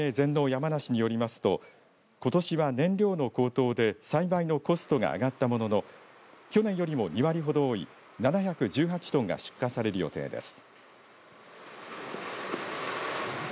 やまなしによりますとことしは燃料の高騰で栽培のコストが上がったものの去年よりも２割ほど多い７１８トンが出荷される予定です。